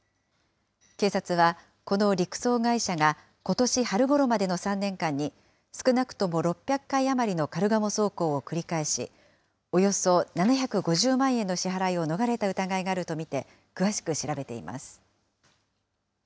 警察はこの陸送会社がことし春ごろまでの３年間に、少なくとも６００回余りのカルガモ走行を繰り返し、およそ７５０万円の支払いを逃れた疑いがあると見て、詳しく調べています。